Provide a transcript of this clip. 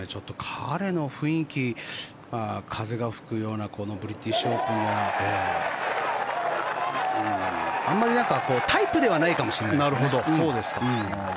彼の雰囲気、風が吹くようなこのブリティッシュオープンはあまり、タイプではないかもしれないですね。